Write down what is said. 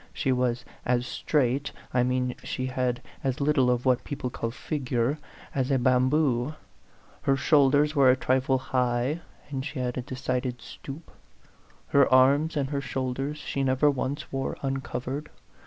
She was as straight I mean she had as little of what people call figure as a bamboo; her shoulders were a trifle high, and she had a decided stoop ; her arms and her shoulders she never once wore uncovered.